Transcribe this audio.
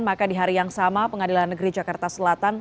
maka di hari yang sama pengadilan negeri jakarta selatan